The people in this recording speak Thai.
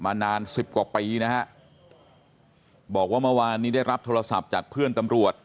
นานสิบกว่าปีนะฮะบอกว่าเมื่อวานนี้ได้รับโทรศัพท์จากเพื่อนตำรวจ